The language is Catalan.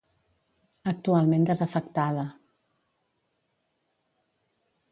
Actualment desafectada.